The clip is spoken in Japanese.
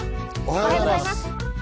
おはようございます。